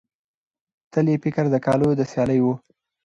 تل یې فکر د کالیو د سیالۍ وو